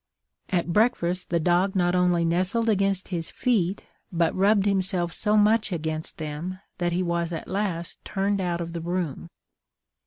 At breakfast the dog not only nestled against his feet, but rubbed himself so much against them, that he was at last turned out of the room.